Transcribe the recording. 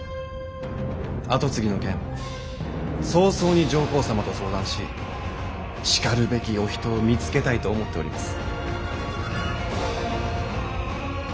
跡継ぎの件早々に上皇様と相談ししかるべきお人を見つけたいと思っております。